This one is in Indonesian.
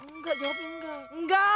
enggak jawabnya enggak